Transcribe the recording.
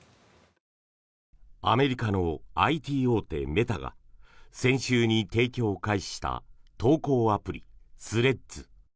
アメリカのＩＴ大手メタが先週に提供を開始した投稿アプリ、スレッズ。